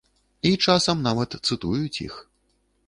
І часам нават цытуюць іх.